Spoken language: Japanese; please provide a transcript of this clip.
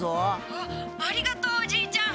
☎あっありがとうおじいちゃん。